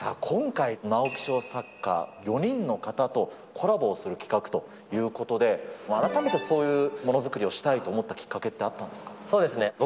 今回、直木賞作家４人の方とコラボをする企画ということで、改めてそういうものづくりをしたいと思ったきっかけってあったんそうですね。